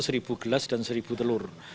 seribu gelas dan seribu telur